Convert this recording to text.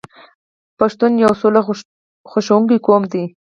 پښتون یو سوله خوښوونکی قوم دی.